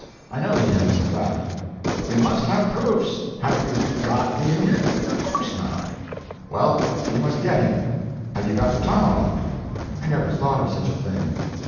I know he has, in fact." "We must have proofs. Have you got the Indian?" "Of course not." "Well, you must get him. Have you got the tomahawk?" "I never thought of such a thing."